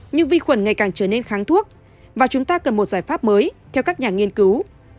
nhưng vi khuẩn ngày càng trở nên kháng thuốc và chúng ta cần một giải pháp mới theo các nhà nghiên cứu